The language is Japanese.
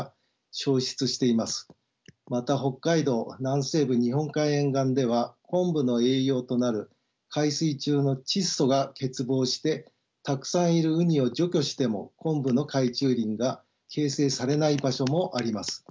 また北海道南西部日本海沿岸ではコンブの栄養となる海水中の窒素が欠乏してたくさんいるウニを除去してもコンブの海中林が形成されない場所もあります。